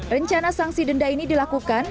rencana sanksi denda ini dilakukan